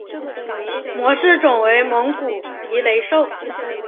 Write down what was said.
模式种为蒙古鼻雷兽。